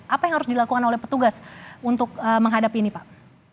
apa yang harus dilakukan oleh petugas untuk menghadapi ini pak